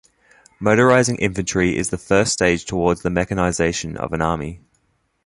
Motorizing infantry is the first stage towards the mechanization of an army.